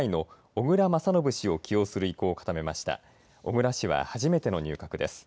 小倉氏は初めての入閣です。